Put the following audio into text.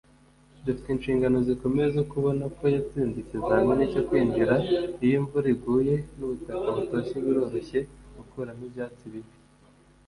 Dufite inshingano zikomeye zo kubona ko yatsinze ikizamini cyo kwinjira Iyo imvura iguye nubutaka butose biroroshye gukuramo ibyatsi bibi